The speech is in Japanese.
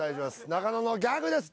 中野のギャグです